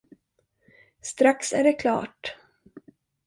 Strax är det klart.